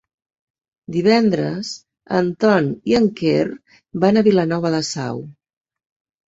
Divendres en Ton i en Quer van a Vilanova de Sau.